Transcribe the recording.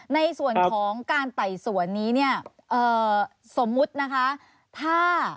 ในส่วนของการไต่สวนนี้สมมุตินะคะ